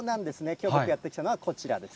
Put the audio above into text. きょう、僕やって来たのはこちらです。